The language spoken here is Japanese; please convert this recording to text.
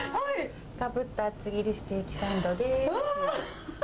がぶっと厚切りステーキサンド！です。